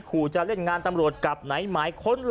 ขูจะเล่นงานตำรวจกลับไหน